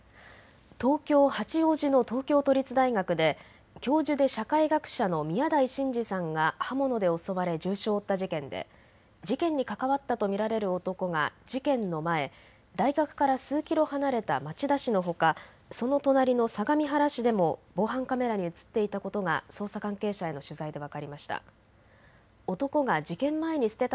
東京八王子の東京都立大学で教授で社会学者の宮台真司さんが刃物で襲われ重傷を負った事件で事件に関わったと見られる男が事件の前、大学から数キロ離れた町田市のほか、その隣の相模原市でも防犯カメラに写っていたことが捜査関係者への取材で分かりました。